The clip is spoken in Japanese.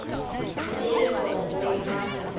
似てると思います。